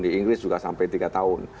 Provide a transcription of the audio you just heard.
di inggris juga sampai tiga tahun